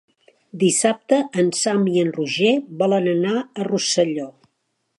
Dissabte en Sam i en Roger volen anar a Rosselló.